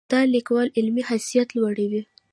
دا د لیکوال علمي حیثیت لوړوي.